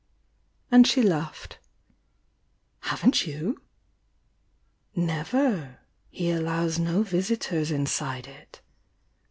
and she laughed. "Haven't you?" "Never! He allows no visitors inside it."